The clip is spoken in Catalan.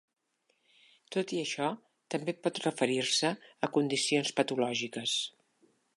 Tot i això, també pot referir-se a condicions patològiques.